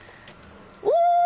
お！